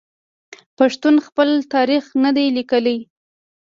پښتنو خپل تاریخ نه دی لیکلی.